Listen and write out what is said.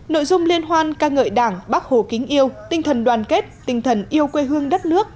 nội dung liên hoan ca ngợi đảng bác hồ kính yêu tinh thần đoàn kết tinh thần yêu quê hương đất nước